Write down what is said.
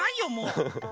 フフフフ。